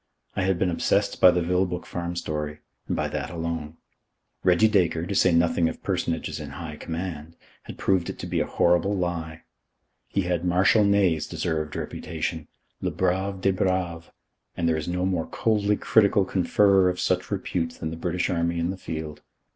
I had been obsessed by the Vilboek Farm story, and by that alone. Reggie Dacre to say nothing of personages in high command had proved it to be a horrible lie. He had Marshal Ney's deserved reputation le brave des braves and there is no more coldly critical conferrer of such repute than the British Army in the field.